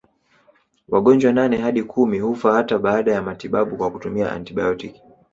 Wagonjwa nane hadi kumi hufa hata baada ya matibabu kwa kutumia antibiotiki